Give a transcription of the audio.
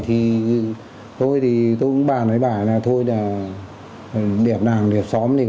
thì thôi thì tôi cũng bà nói bà này là thôi nè